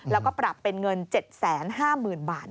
แล้วก็ปรับเป็นเงิน๗๕๐๐๐บาท